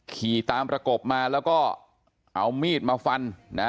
ขี่ตามประกบมาแล้วก็เอามีดมาฟันนะ